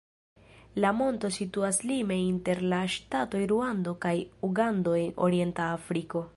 La monto situas lime inter la ŝtatoj Ruando kaj Ugando en orienta Afriko.